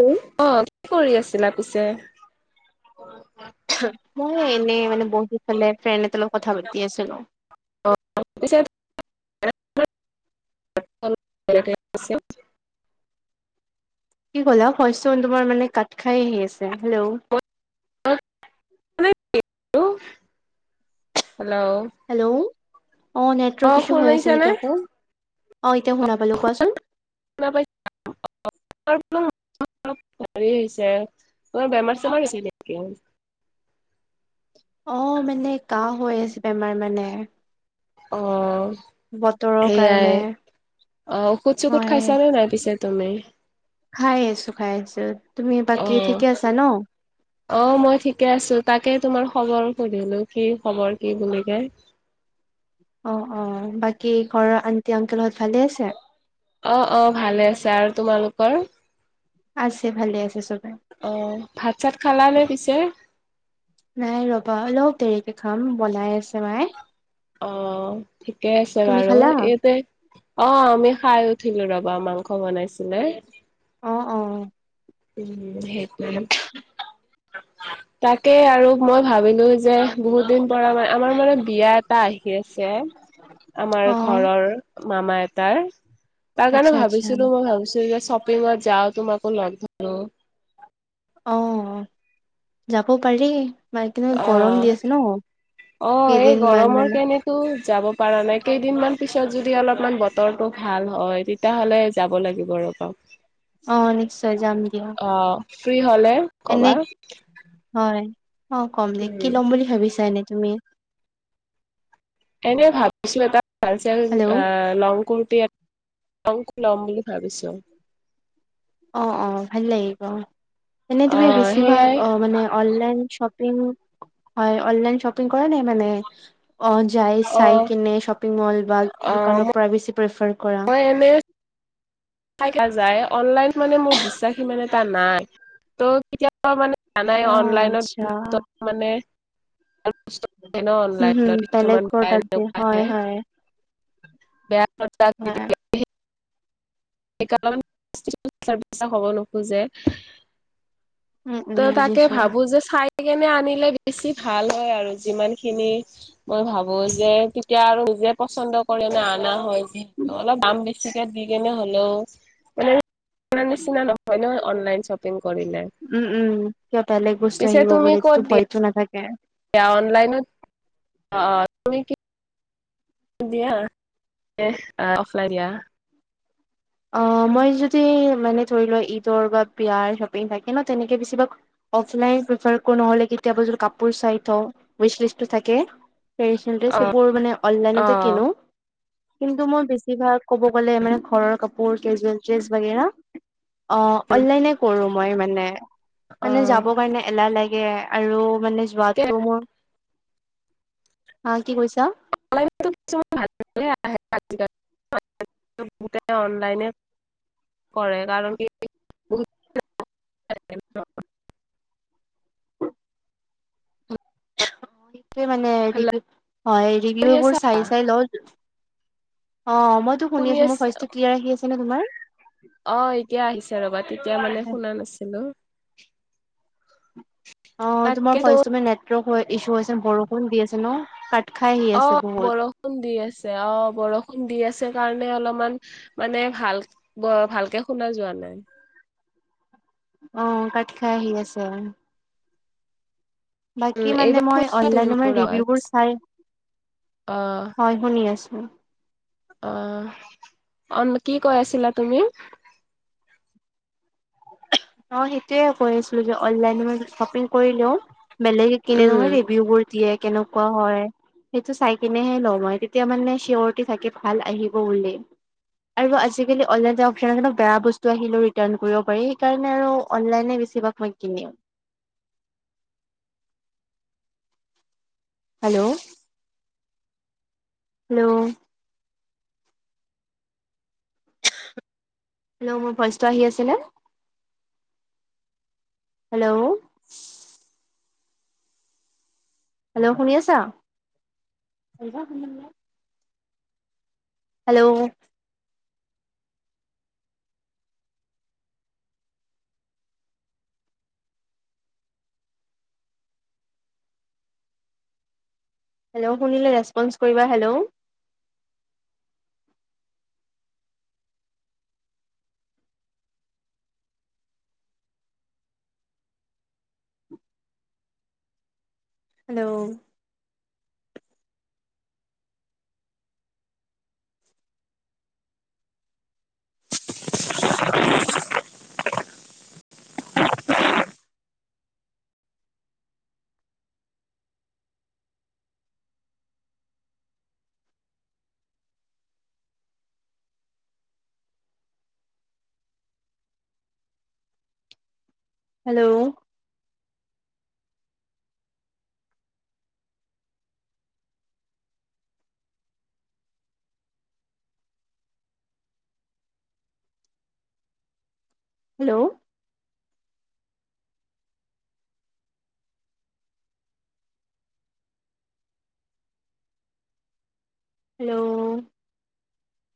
উম, অ কি কৰি আছিলা পিছে? মই এনেই মানে বহি পেলে ফ্ৰেণ্ড এটা লগত কথা পাতি আছিলো। অ পিছে এনে দৰে। [unintelligible] কি কলা শস্যচন তোমাৰ মানে কাট খাই আহি আছে, হেল্ল'। এইটো, হেল্ল' হেল্ল' অ নেটৱৰ্ক ইছু হৈ আছে নেকি আকৌ। অ এতিয়া শুনা পালো কোৱাচোন। [unintelligible] [unintelligible] হৰি হৈছে বেমাৰ চেমাৰ হৈছে নেকি? অ মানে কাহ হৈ আছে বেমাৰ মানে। অ বতৰৰ সেইয়াই, কাৰণে। অ ঔষুধ চৌষত হয় খাইছা নে নাই পিছে? তুমি খাই আছো খাই আছো। তুমি অ বাকী ঠিকে আছা ন? অ মই ঠিকে আছো। তাকে তোমাৰ খবৰ সুধিলো কি খবৰ কি বুলি কে? [inaudible] অ অ বাকী ঘৰৰ আনটি অংকল হত ভালে আছে? অ অ ভালে আছে। আৰু তোমালোকৰ? আছে ভালে আছে চব। অ ভাত চাত খালা নে পিছে। নাই ৰবা অলপ দেৰিকে খাম বনাই আছে মাই। অ ঠিকে আছে বাৰু খালা? এইতে অ আমি খাই উঠিলো ৰবা মাংস বনাইছিলে। অ অ। উম সেইটোৱে। তাকেই আৰু মই ভাবিলো যে বহুত দিন পৰা মানে আমাৰ মানে বিয়া এটা আহ- হি আছে আমাৰ অ ঘৰৰ মামা এটাৰ তাৰ কাৰণে আচ্ছা আচ্ছা ভাবিছিলো ভাবিছো যে শ্বপিঙত যাও তোমাকো লগ ধৰো। অ যাব পাৰি। ম কিন্তু অ গৰম দি আছে ন অ এই কেইদিনমান গৰমৰ মানে কেণেতো। যাব পৰা নাই কেইদিনমান পিছত যদি অলপমান বতৰটো ভাল হয় তেতিয়া হ'লে যাব লাগিব ৰ। [unintelligible] অ নিশ্চয় যাম দিয়ক। ফ্ৰী হলে এনে কবা হয়। অ কম দে। কি উম, ল'ম বুলি ভাবিছা এনে তুমি? এনেই ভাবিছো এটা ভাল চাই হেল্ল' লং কোত টিয়েট লংকো লম বুলি ভাবিছো। অ অ ভাল লাগিব। এনে তুমি অ' বেছিভাগ সেইয়াই অ মানে অনলাইন শ্বপ- পিং হয় অনলাইন শ্বপিং কৰা নাই মানে। অ যাই চাই অ' কিনে শ্বপিং মল বা অ' দোকানৰ পৰা বেছি প্ৰেফাৰ মই এনে চাই থাকা যাই, অনলাইন মানে মোৰ বিশ্বাস ইমান এটা নাই ত কেতিয়াবা মানে জানাই অ অনলাইনত আচ্ছা বহুতৰ মানে ভাল বস্তু নাহে ন হম অনলাইনত হম কিছুমান বেলেগৰ বেয়া তাত এনেকে হয় আহে। হয় বেয়া হয় [unintelligible] হ'ব নোখোজে [unintelligible] উম ত উম তাকে বুজিছো ভাবো যে চাই সেকেনে আনিলে বেছি ভাল হয় আৰু যিমান খিনি মই ভাবো যে তেতিয়া আৰু নিজে পচন্দ কৰে অনা হয় যি ত অলপ দাম বেছিকে দি কেনে হ'লেও মানে অনাৰ নিচিনা নহলেও অনলাইন শ্বপিং কৰিলে। উম উম কিবা বেলেগ বস্তু আহিব বুলি ভয়তো নাথাকে। এয়া অনলাইনত অ অ তুমি কি দিয়া, নে অফলাইন দিয়া। অ মই যদি মানে ধৰি লোৱা ঈদৰ বা বিয়াৰ শ্বপিং থাকে ন তেনেকে বেছিভাগ অফলাইন পিফাৰ কৰো নহলে কেতিয়াবা যদি কাপোৰ চাই থও ৱেছলিষ্টত থাকে। ট্ৰেডিচনল অ ড্ৰেছ এইবোৰ মানে অ অনলাইনতে কিনো। কিন্তু মোৰ বেছিভাগ ক'ব গ'লে মানে ঘৰৰ কাপোৰ কেজুৱেল ড্ৰেছ বাগেৰা অ অনলাইনে কৰো মই মানে অ মানে যাব কাৰণে এলাহ লাগে আৰু মানেজ ৱাটৰোমৰ, হা কি কৈছা? অনলাইনতো কিছুমান ভাল ভালে আহে আজিকালি। বহুতে অনলাইনে কৰে কাৰণ কি বহুত [unintelligible] অ সেইটোৱে মানে হেল্ল' ৰিভিউ, শুনি ৰিভিউ বোৰ আছা চাই চাই লওঁ। অ মইতো শুনি আছো। মোৰ ভইচটো ক্লিয়াৰ আহি আছে নে তোমাৰ? অ এতিয়া আহিছে ৰ'বা তেতিয়া মানে শুনা নাছিলোঁ। অ তোমাৰ তাকেতো ফাৰ্ষ্ট নেটৱৰ্ক ইছু হৈছে বৰষ- অ বহুত। বৰষুণ দি আছে, অ বৰষুণ দি আছ- কাৰণে অলপমান মানে ভাল ভালকে শুনা যোৱা নাই। অ কাত খাই আহি আছে। উম বাকি মানে এইবাৰ মই শুনিছা তুমি অনলাইন মোৰ আৱাজ ৰিভিউ বোৰ চাই অ হয় শুনি আছো। অহ অন কি কৈ আছিলা তুমি? অ সেইটোয়ে কৈ আছিলো যে অনলাইন শ্বপিং কৰিলেও বেলেগ কিনে উম নহয় ৰিভিউ বোৰ দিয়ে কেনেকুৱা হয়। সেইটো চাই কিনেহে লও মই তেতিয়া মানে চিয়ৰিটি থাকে ভাল আহিব বুলি। আৰু আজিকালি অনলাইনৰ অপশন আহিল নহয় বেয়া বস্তু আহিলেও ৰিটাৰ্ণ কৰিব পাৰি। সেইকাৰণে আৰু অনলাইনে বেছিভাগ মই কিনি হেল্ল' হেল্ল' হেল্ল' মোৰ ভইচটো আহি আছে নে? হেল্ল' হেল্ল' শুনি আছা? হেল্ল' হেল্ল' শুনিলে ৰেচপন্চ কৰিবা hello? Hello [unintelligible] hello hello hello